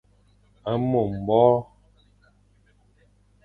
Mo mbore.